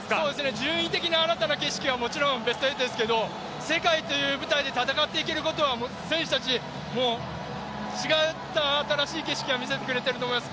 順位的な新たな景色はもちろんベスト８ですけど世界という舞台で戦っていけること選手たちも違った新しい景色を見せてくれると思います。